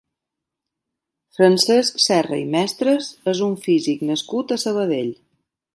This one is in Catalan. Francesc Serra i Mestres és un físic nascut a Sabadell.